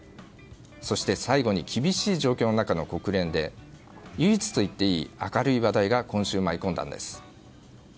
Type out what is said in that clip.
そして最後に厳しい状況の中の国連で唯一といっていい明るい話題が今週舞い込んだんです。